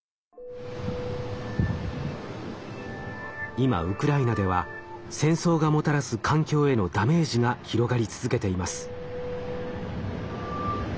今ウクライナでは戦争がもたらす環境へのダメージが広がり続けています。